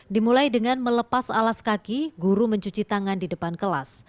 dimulai dengan melepas alas kaki guru mencuci tangan di depan kelas